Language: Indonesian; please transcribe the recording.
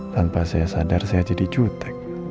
tanpa saya sadar saya jadi jutek